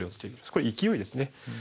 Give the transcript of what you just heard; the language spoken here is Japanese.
これ勢いですね。